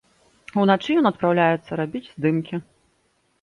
Уначы ён адпраўляецца рабіць здымкі.